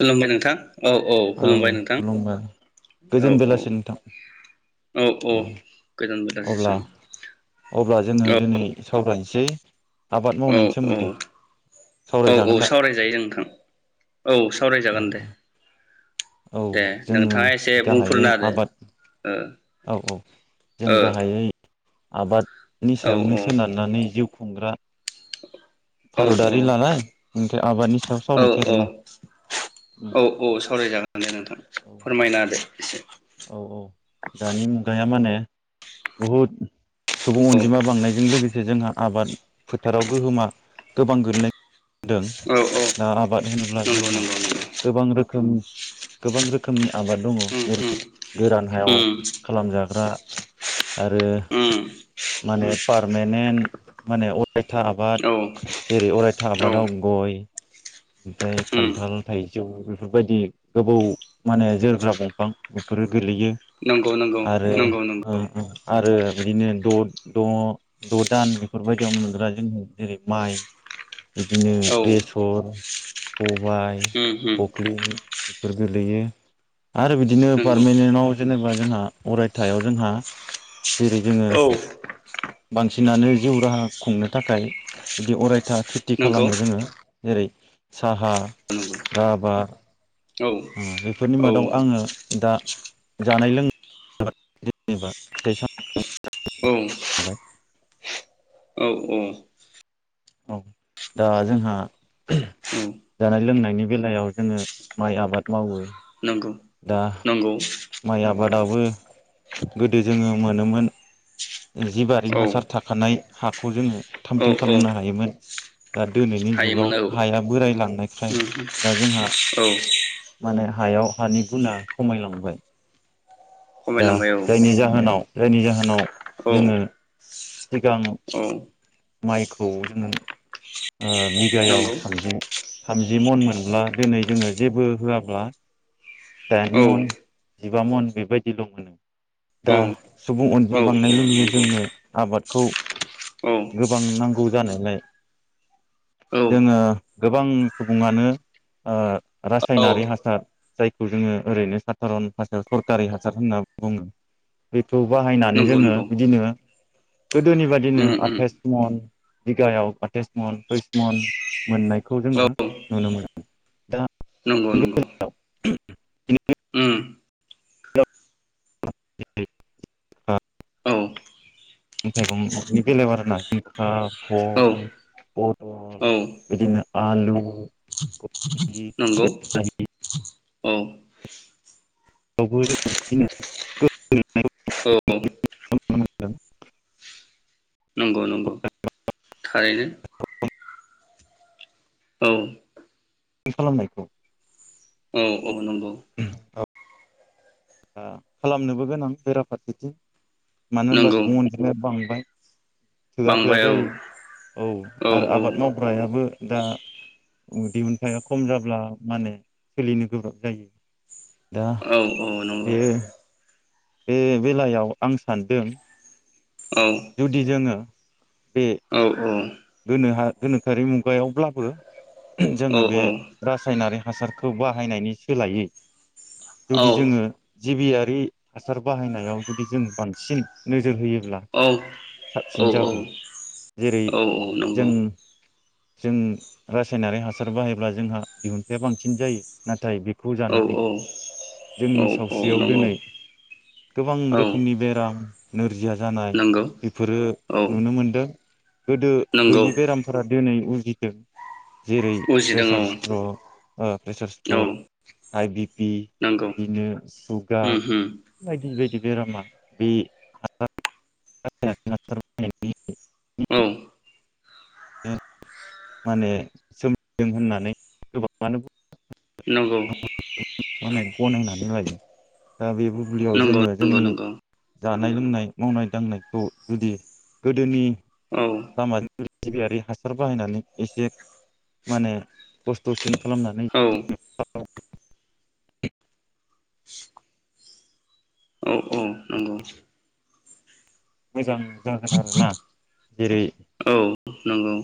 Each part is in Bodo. खुलुमबाय नोंथां। औ औ खुलुमबाय नोंथां। औ गोजोन औ बेलासि नोंथां औ औ गोजोन अब्ला अब्ला जोङो दिनै सावरायनोसै। आबाद औ मावनायनि औ सोमोन्दै औ औ सावरायजागोन दा सावरायजायो नोंथां औ। सावरायजागोन दे। औ दे जोङो नोंथाङा एसे गाहायै बुंफोरना होदो आबाद ओ। औ औ जों गाहायै आबाद नि सायावनो ओ सोनारनानै जिउ खुंग्रा औ औ भारतारि लानाय ओंखाय आबादनि सायाव सावरायनोसै आरो ना। औ औ औ सावरायजागोन दे नोंथां औ फोरमायना होदो एसे औ औ। दानि मुगायाव माने बहुत सुबुं औ अनजिमा बांनायजों लोगोसे जोंहा आबाद फोथाराव गोहोमा गोबां गोग्लैनाय होदों औ औ दा आबाद होनोब्ला नंगौ जोंहा गोबां रोखोम खोम गोबां रोखोमनि आबाद दङ नंगौ उम जेरै गोरान हायाव उम मावजाग्रा आरो माने पारमानेन्ट माने अरायथा आबाद उम जेरै अरायथा औ आबादाव गय ओमफ्राय उम खान्थाल थाइजौ बेफोरबायदि गोबौ माने जोरोग्रा दंफां बेफोरो गोलैयो। नंगौ नंगौ आरो नंगौ ओ नंगौ ओ आरो बिदिनो द द' द' दान बेफोरबायदियाव मोनग्रा जोंङो जेरै माइ बिदिनो औ बेसर सबाय उम उम कखलिं बेफोर गोगलैयो आरो बिदिनो नंगौ पारमेनेन्टआव जेनेबा जोंहा अरायथायाव जोंहा जेरै जोंङो औ बांसिनानो जिउ राहा खुंनो थाखाय बिदि अरायथा खेथि नंगौ खालामनो जोंङो जेरै साहा, नंगौ राबार औ उम बेफोरनि औ मादाव आङो दा जानाय लोंनाय जेनेबा [unintelligible] औ थाबाय औ औ औ दा जोंहा औ जानाय लोंनायनि बेलायाव जोङो माइ आबाद मावो। नंगौ नंगौ बादावो गोदो जोंङो मोनोमोन जि बारि औ हासार थाखानाय हाखौ जोंङो थाम औ थिं औ खालामनो हायोमोन। दा दिनैनि जुगाव हायोमोन औ हाया बोरायलांनाय ओमफ्राय दा जोंहा औ माने हायाव हानि गुना खमायलांबाय। दा खमायलांबाय औ जायनि जाहोनाव जायनि जाहोनाव औ जोङो सिगां औ माइखौ जोंङो ओ बिगायाव नंगौ थामजि थामजि मन मोनब्ला दिनै जोंङो जेबो होआब्ला औ दाइन मन जिबा मन बेबायदिल' मोनो औ दा सुबुं अनबा बांनाय लोगो लोगो नंगौ जोंनो आबाद खौ औ जानायलाय औ जोंङो गोबां सुबुङानो ओ रासायनारि औ हासार जायखौ जोंङो ओरैनो साधारन भाषायाव सरकारि हासार होनना बुङो बे खौ बाहायनानै नंगौ जोङो नंगौ बिदिनो गोदोनि बायदिनो उम आ उम बिगायाव आतायेस मन त्रिस मन मोननायखौ औ जोंङो नुनो मोनदों दा नंगौ मैगं नंगौ [unintelligible] उम [unintelligible] औ थाइगंनि बेलायाव आरोना जिंखा औ भल प औ आलु नंगौ कबियावबो औ औ [unintelligible] नंगौ नंगौ थारैनो औ बे खालामनायखौ औ ओ नंगौ खालामनोबो गोनां बेराफारसेथिं मानो होनब्ला नंगौ सुबुं अनजिमाया बांबाय थोआ थोआ बांबाय जायो औ औ आरो आबाद मावग्रायाबो दा औ दिहुनथाया खम जाब्ला माने सोलिनो गोब्राब जायो दा औ औ नंगौ बेयो बे बेलायाव आं सानदों औ जुदि जोंङो औ औ गोनो हा गोनोखोआरि मुगायावब्लाबो [unintelligible] औ जोङो बे रासायनारि हासार खौ बाहायनायनि सोलायै जुदि जोङो जिबियारि हासार बाहायनायाव जुदि जों बांसिन नोजोर होयो औ औ औ जेरै औ औ जों नंगौ। जों रासायनारि हासार बाहायोब्ला जोंहा दिहुनथाया बांसिन जायो नाथाय बे खौ औ जानानै जोंनि औ औ सावस्रियाव नंगौ दिनै गोबां औ रोखोमनि बेराम नोरजिया जानाय नंगौ बेफोरो औ नुनो मोनदों। गोदो नंगौ गैयि बेरामफोरा दिनै उज जिदों। जेरै उजिदों प्रेसार सट्र प्रेसार औ स्ट्रक आइ बि पि नंगौ बिदिनो उम सुगार उम बायदि बायदि। बेरामा बे हा [unintelligible] [unintelligible] [unintelligible] औ ए [unintelligible] माने सोम [unintelligible] दों होननानै गोबां ङानो नंगौ [unintelligible] नाय गनायनानै लायो दा बे बुब्लियाव नंगौ जोङो नंगौ जोंनि नंगौ जान जानाय लोंनाय मावनाय दांनाय खौ जुदि गोदोनि औ लामा [unintelligible] गिबियारि हासार बाहायनानै एसे माने खस्थ'सिन खालामनानै औ [unintelligible] औ औ नंगौ मोजां। जागोन आरो ना। जेरै औ नंगौ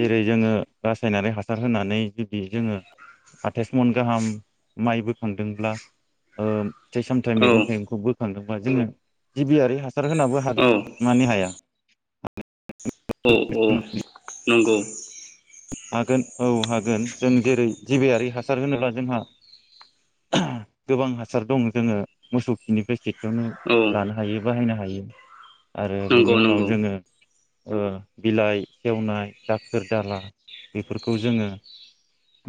जेरै जोङो रासायनारि हासार होनानै जुदि जोङो आथायाइस मन गाहाम माइ बोखांदोंब्ला ओ फिथाइ सामथाइ औ मैगं थाइगंखौबो [unintelligible] जोङो जिबियारि हास सार होनाबो हागो औ [unintelligible] मानि हाया औ औ नंगौ हागोन औ हागोन जों जेरै जिबियारि हासार होनोब्ला जोंहा [unintelligible] गोबां हासार दं जोङो मोसौ खिनिफ्राय [unintelligible] औ लानो हायो बाहायनो हायो आरो बेनि नंगौ उनाव नंगौ जोङो ओ बिलाइ सेवनाय दाखोर दाला बेफोरखौ जोङो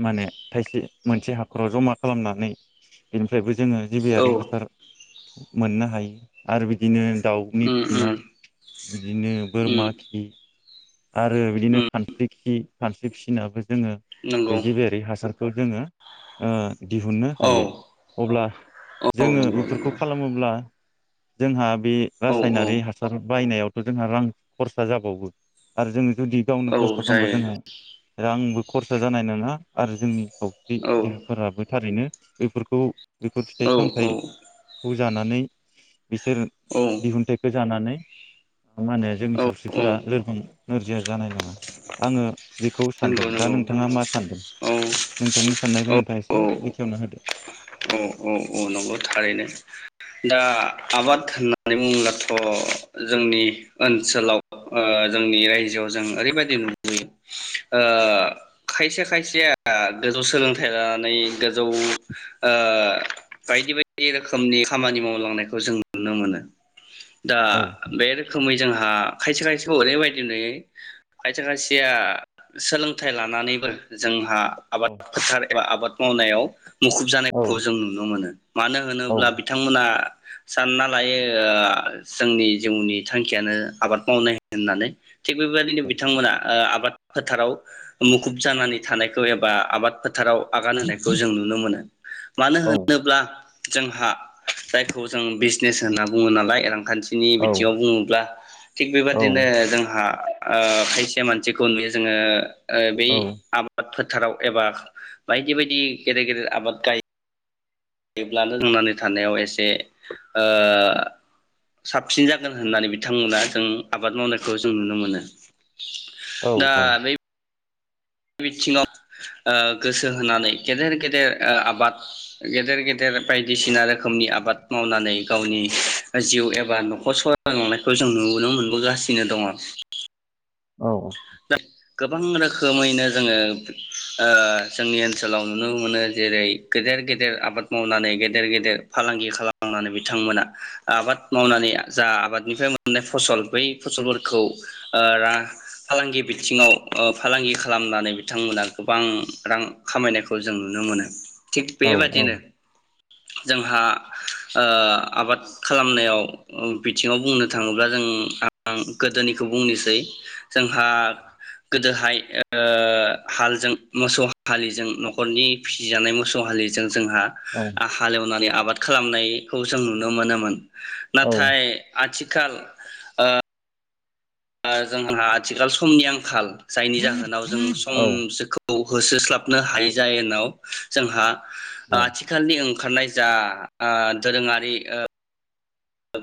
माने थाइसे मोनसे हाखराव जमा खालामनानै बेनिफ्रायबो जोङो औ जिबियारि हासार मोननो हायो आरो बिदिनो दाउनि उम उम खिनाय बिदिनो उम बोरमा खि आरो बिदिनो उम खानस्रि खि खानस्रि फिसिनाबो जोङो बे नंगौ जिबियारि हासारखौ जोङो ओ दिहुननो औ हायो अब्ला औ जोङो नंगौ बेफोरखौ नंगौ खालामोब्ला जोंहा बे औ औ रासायनारि हासार बायनायावथ जोंहा रां खरसा जाबावो आरो जोङो जुदि गावनो औ खस्थ' खालामबा जायो जोंहा रांबो खरसा जानाय नङा आरो जोंनि खावस्रि औ देहाफोराबो थारैनो बेफोरखौ बेफोर फिथाइ औ सामथाइ खौ जानानै बिसोर औ दिहुनथाइखौ जानानै मा होनो जोंनि औ सावस्रिफोरा लोरबां नोरजिया जानाय नङा आङो बेखौ सानदों नंगौ दा नंगौ नोंथाङा मा सानदों औ नोंथांनि साननायखौ औ नोंथाङा औ एसे बेखेवना होदो अ थारैनो दा आबाद होननानै बुङोलाथ जोंनि ओनसोलाव ओ जोंनि रायजोआव जों ओरैबायदि नुबोयो ओ खायसे खायसेआ गोजौ सोलोंथाइ लानानै गोजौ ओ बायदि बायदि बि रोखोमनि खामानि मावलांनायखौ जों नुनो मोनो दा औ बे रोखोमै जोंहा खायसे खायसेखौ ओरैबायदि नुयो खायसे खायसेया सोलोंथाइ लानानैबो जों हा औ आबाद फोथार एबा आबाद मावनायाव मुखुब औ जानायखौ जों नुनो मोनो मानो औ होनोब्ला बिथांमोना सानना लायो ओ जोंनि जिउनि थांखियानो आबाद मावनाय होननानै थिग बेबायदिनो बिथांमोना ओ आ आबाद फोथाराव मुखुब जानानै थानायखौ एबा आबाद फोथाराव आगान होनायखौ जों नुनो मोनो मानो औ होनोब्ला जोंहा जायखौ जों बिजनेस होनना बुङो नालाय रां खान्थिनि औ बिथिङाव बुङोब्ला थिग औ बेबाददिनो जोंहा ओ खायसे से मानसिखौ नुयो जोङो ओ बै औ आबादफोर फोथाराव एबा बायदि बायदि गेदेर गेदेर आबाद गायो ब्ला लोंनानै थांनानै थानायाव एसे ओ साबसिन जागोन होननानै बिथांमोना जों आबाद मावनायखौ जों नुनो मोनो औ दा औ बे बिथिङाव ओ गोसो होनानै गेदेर गेदेर ओ आबाद गेदेर गेदेर बायदिसिना रोखोमनि आबाद मावनानै गावनि जिउ एबा नखर सालायलांनायखौ जों नुबोनो मोनबोगासिनो दङ औ दा गोबां रोखोमैनो जोङो ओ जोंनि ओनसोलाव नुनो मोनो जेरै गेदेर गेदेर आबाद मावनानै गेदेर गेदेर फालांगि खालामनानै बिथांमोना आबाद मावनानै जा आबादनिफ्राय मोननाय फसल बै फसलफोरखौ ओ रा फालांगि बिथिङाव फालांगि खालामनानै बिथांमोना गोबां रां खामायनायखौ जों नुनो मोनो थिक औ बेबादिनो जोंहा ओ आबाद खालामनायाव बिथिङाव बुंनो थाङोब्ला जों आं गोदोनिखौ बुंनोसै जोंहा गोदोहाय ओ हालजों मोसौ हलिजों न'खरनि फिसिजानाय मोसौ हलिजों जोंहा हालेवनानै आबाद खा खालामनायखौ जों नुनो मोनोमोन नाथाय आथि खाल ओ ओ जोंहा आथिखाल समनि आंखाल जायनि जाहोनाव जों औ संसोखौ होसोस्लाबनो हायै जायेनाव जोंहा [unintelligible] आथिखालनि ओं ओंखारनाय जा ओ दोरोङारि ओ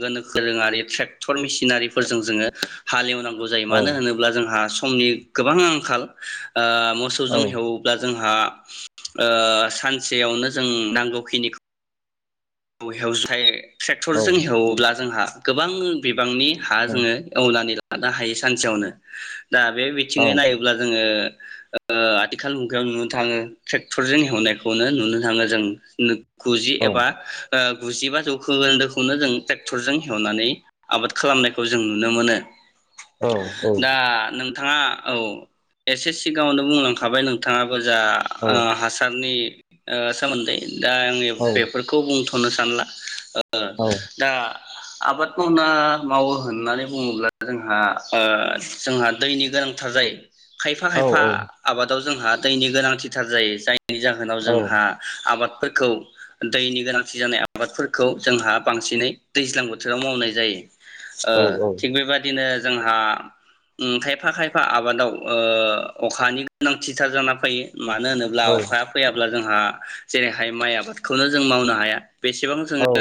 गोनोखोरोङारि ट्रेक्टर मेसिनारिफोरजों जोङो हालेवनां जायो मानो होनोब्ला जोंहा समनि गोबां आंखाल ओ औ मोसौजों हेवोब्ला जोंहा ओ सानसेयावनो जों नांगौखिनि खौ हेवसाय ट्रेक्टरजों हेवोब्ला जोंहा गोबां बिबांनि हा जोङो एवनानै लानो हायो सानसेयावनो दा बे बिथिङै औ नायोब्ला जोङो ओ आथिखाल मुगायाव नुनो थाङो ट्रेक्टरजों हेवनायखौनो नुनो थाङो जों [inaudible] गुजि औ एबा [inaudible] गुजिबा जौखोखोन्दोखौनो जों ट्रेक्टरजों हेवनानै आबाद खालामनायखौ जों नुनो मोनो औ औ थाङा औ एसे सिगाङावनो बुंलांखाबाय नोंथाङा ओजा औ ओ हासारनि ओ सोमोनदै दा आङो औ बेफोरखौ बुंथ' होननो सानला ओ औ दा आबाद मावना मावो होननानै बुङोब्ला जोंहा ओ जोंहा दैनि गोनांथार जायो खायफा खायफा आबादाव जोंहा दैनि गोनांथिथार जायो जाय बेनि जाहोनाव जोंहा आबाद फोरखौ दैनि गोनां गिसि जानाय आबादफोरखौ जोंहा बांसिनै दैज्लां बोथोराव मावनाय जायो। ओ औ थिग बेबादिनो जोंहा उम खायफा खायफा आबादाव ओ अखानि गोनांथिथार जाना फैयो। मानो होनोब्ला औ अखाया फैयाब्ला जों आ जेरैहाय माइ आबादखौनो जों मावनो हाया। बेसेबां औ जोङो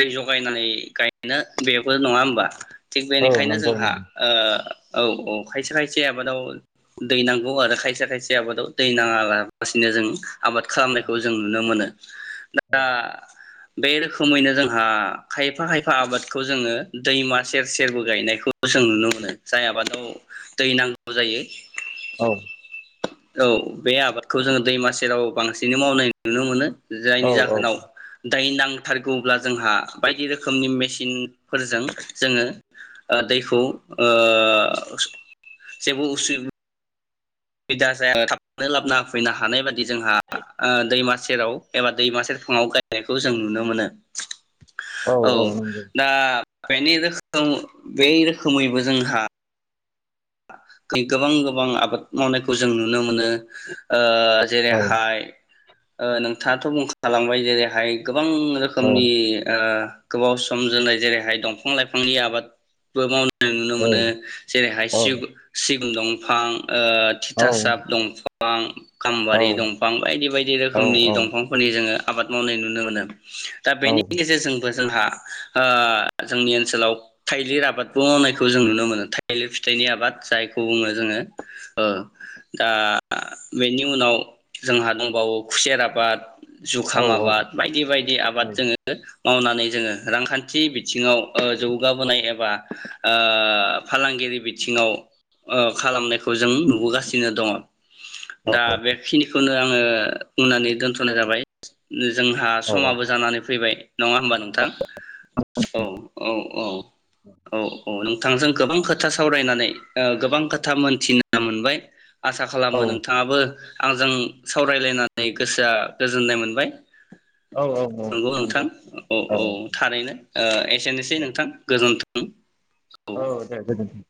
दै ज बायनानै गायनो बेबो नङा होमबा थिग औ बेनिखायनो नंगौ जोंहा नंगौ ओ औ औ खायसे खायसे आबादाव दै नांगौ आरो खायसे खायसे आबादाव दै नाङालासिनो जों आबाद खालामनायखौ जों नुनो मोनो। दा बे रोखोमैनो जोंहा खायफा खायफा आबादखौ जोङो दैमा सेर सेरबो गायनायखौ जों नुनो मोनो जाय आबादाव दै नांगौ जायो औ औ बे आबादखौ जोङो दैमा सेेराव बांसिनै मावनाय नुनो मोनो औ जायनि जाहोनाव दै नांथारगौब्ला जोंहा बायदि रोखोमनि मेसिन फोरजों जोङो दैखौ ओ जेबो उसुब सुबिदा जाया थाबनानै लाबोना होफैनो हानाय बायद दि जोंहा ओ दैमा सेेराव एबा दैमा सेेरफाङाव गायनायखौ जों नुनो मोनो। औ दा बेनि रोखोम बे रोखोमैबो जोंहा गोबां गोबां आबाद मावनायखौ जों नुनो मो मोन ओ जेरैहाय ओ नोंथाङाथ' बुंखालांबाय जेरैहाय ग गोबां रोखोमनि ओ गोबाव सम जोरनाय जेरैहाय दंफां लाइफांनि आबादबो मावनाय जों नुनो मोनो। जेरैहाय सिगु सि न दंफां, ओ औ नंगौ तितासाब दं फां, गामबारि दंफां बायदि बायदि रोखोमनि औ औ दंफांफोरनि जोङो आबाद मावनाय नुनो मोनो। दा बेनि औ गेजेरजों बो जोंहा ओ जोंनि ओनसोलाव थाइलिर आबादबो मावनायखौ जों नुनो मोनो। थाइलिर फि थाइनि आबाद जायखौ बुङो जोङो। ओ दा बेनि उनाव जोंहा दंबावो खुसेर आबाद, जुखाम आबाद बायदि बायदि आबाद जोङो मावनानै जोङो रांखान्थि बिथिङाव ओ जौगाबोनाय एबा ओ फालांगिरि बि थिङाव ओ खालामनायखौ जों नुबोगासिनो दङ'। दा बेखिनिखौनो आङो बुंनानै दोनथ'नाय जाबाय। जोंहा समाबो जानानै फैबाय। नङा होमबा नोंथां? औ औ औ औ। औ नोंथांजों गोबां खोथा सा सावरायनानै ओ गोबां खोथा मोन्थिनो मोनबाय। आसा खालामो नोंथाङाबो आंजों सावरायलायनानै गोसोआ गोजोननाय मोनबाय। नंगौ नोंथां औ औ थारैनो ओ एसेनोसै नोंथां गोजोन्थो औ। औ दे गोजोन्थों।